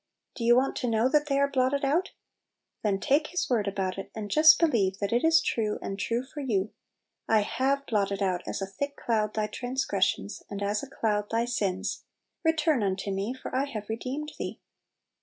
do you want to know that they are blotted outl Then take His word about it, and just believe that it is true, and true for you — "I have blotted out as a thick cloud thy transgressions, and as a cloud thy sins: return unto me, for I have redeemed thee."